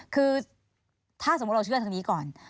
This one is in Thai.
คือถ้าสมมุติเราเชื่อทางนี้ก่อน